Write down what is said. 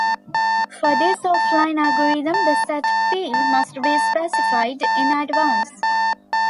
For this offline algorithm, the set "P" must be specified in advance.